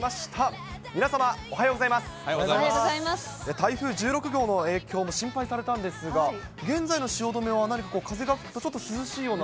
台風１６号の影響も心配されたんですが、現在の汐留は何か風が吹くと涼しいような。